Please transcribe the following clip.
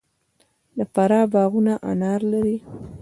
د فراه باغونه انار لري.